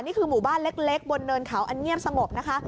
นี่คือหมู่บ้านเล็กบนเนินเขาอันเงียบสงบนะคะ